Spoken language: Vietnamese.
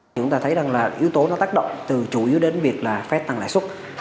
chúng ta thấy là yếu tố nó tác động từ chủ yếu đến việc là phép tăng lãi xuất